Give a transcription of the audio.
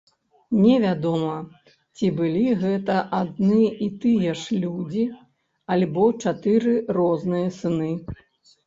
Невядома, ці былі гэта адны і тыя ж людзі, альбо чатыры розныя сыны.